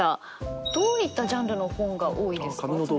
どういったジャンルの本が多いですか？